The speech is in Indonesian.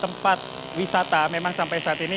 tempat wisata memang sampai saat ini